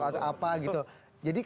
atau apa gitu jadi